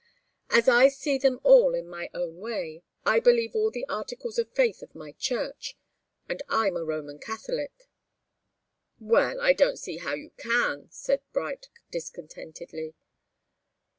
As I see them all in my own way, I believe all the articles of faith of my church, and I'm a Roman Catholic." "Well I don't see how you can," said Bright, discontentedly.